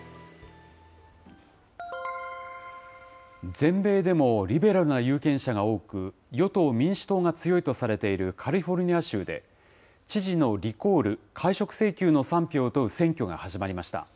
全米でもリベラルな有権者が多く、与党・民主党が強いとされているカリフォルニア州で、知事のリコール・解職請求の賛否を問う選挙が始まりました。